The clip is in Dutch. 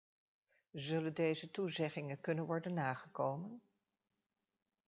Zullen deze toezeggingen kunnen worden nagekomen?